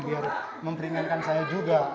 biar memperingankan saya juga